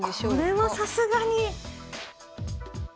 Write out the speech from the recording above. これはさすがに。